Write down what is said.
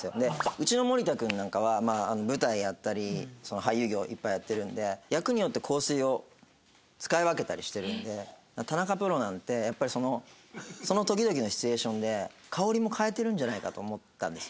うちの森田君なんかは舞台やったり俳優業いっぱいやってるので田中プロなんてやっぱりその時々のシチュエーションで香りも変えてるんじゃないかと思ったんですよ。